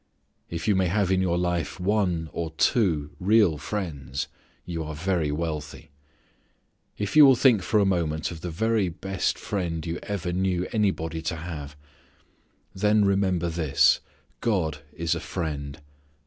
If you may have in your life one or two real friends you are very wealthy. If you will think for a moment of the very best friend you ever knew anybody to have. Then remember this: God is a friend.